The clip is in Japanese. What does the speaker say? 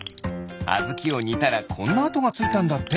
あずきをにたらこんなあとがついたんだって。